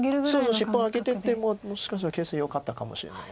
尻尾あげててももしかしたら形勢よかったかもしれない。